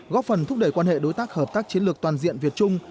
góp phần thúc đẩy quan hệ đối tác hợp tác chiến lược toàn diện việt trung